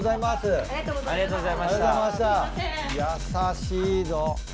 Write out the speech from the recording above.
優しいぞ。